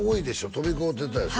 飛び交うてたでしょ？